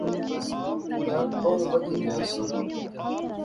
درد بہوں بدھی گیا سا